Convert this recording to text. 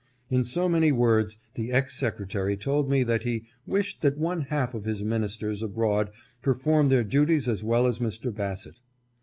In so many words the ex Secretary told me that he " wished that one half of his ministers abroad performed their duties as well as Mr. Bassett."